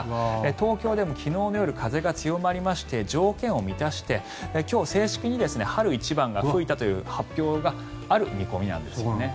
東京でも昨日の夜風が強まりまして条件を満たして今日、正式に春一番が吹いたという発表がある見込みなんですよね。